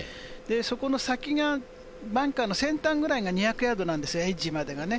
そこの先がバンカーの先端ぐらいが２００ヤードなんですよ、エッジまでがね。